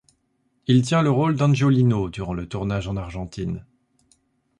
Il tient le rôle d'Angiolino durant le tournage en Argentine.